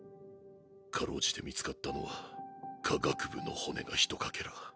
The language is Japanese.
辛うじて見つかったのは下顎部の骨がひとかけら。